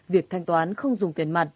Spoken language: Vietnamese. việc thanh toán không dùng tiền mặt